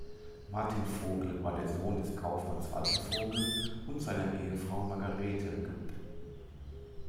Martin Vogel war der Sohn des Kaufmanns Walter Vogel und seiner Ehefrau Margarete geb.